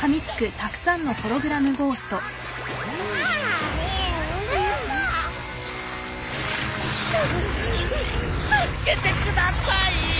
た助けてください！